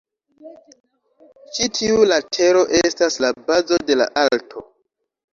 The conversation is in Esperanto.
Ĉi tiu latero estas la "bazo" de la alto.